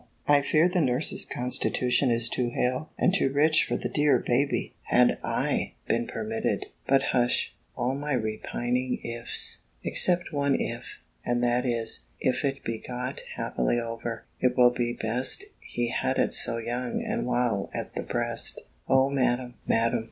I fear the nurse's constitution is too hale and too rich for the dear baby! Had I been permitted But hush, all my repining ifs! except one if; and that is, if it be got happily over, it will be best he had it so young, and while at the breast! Oh! Madam, Madam!